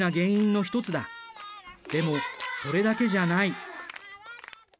でもそれだけじゃない。